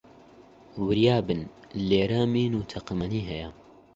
وریا بن، لێرە مین و تەقەمەنی هەیە